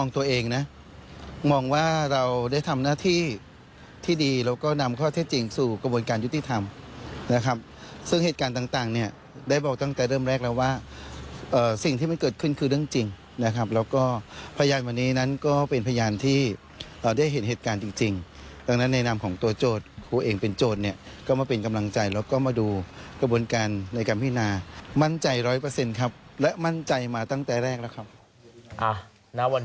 ต่างเนี้ยได้บอกตั้งแต่เริ่มแรกแล้วว่าเอ่อสิ่งที่มันเกิดขึ้นคือเรื่องจริงนะครับแล้วก็พยานวันนี้นั้นก็เป็นพยานที่เราได้เห็นเหตุการณ์จริงจริงดังนั้นในนามของตัวโจทย์ครูเองเป็นโจทย์เนี้ยก็มาเป็นกำลังใจแล้วก็มาดูกระบวนการในการพินามั่นใจร้อยเปอร์เซ็นต์ครับและมั่นใจมาตั้งแต่แรกแล้ว